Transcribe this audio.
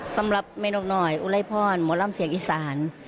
สำหรับเมนกน้อยอุไรพรหมอลำเสียงอีสาน